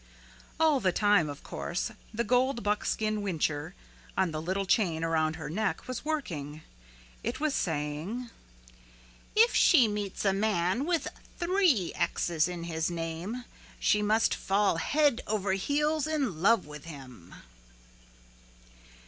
All the time, of course, the gold buckskin whincher on the little chain around her neck was working. It was saying, "If she meets a man with three X's in his name she must fall head over heels in love with him."